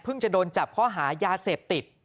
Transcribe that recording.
จะโดนจับข้อหายาเสพติด